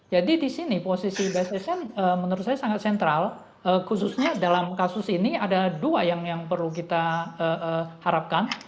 jadi di sini posisi bssn menurut saya sangat sentral khususnya dalam kasus ini ada dua yang perlu kita harapkan